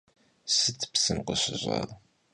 Sıt psım khışış'ar?